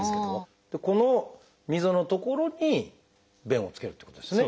この溝の所に便を付けるってことですね。